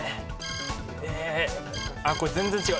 これ全然違う。